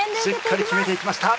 しっかり決めていきました。